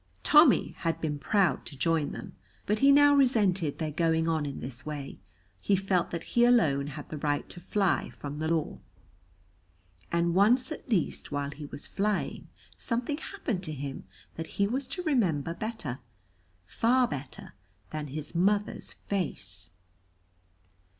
Tommy had been proud to join them, but he now resented their going on in this way; he felt that he alone had the right to fly from the law. And once at least while he was flying something happened to him that he was to remember better, far better, than his mother's face.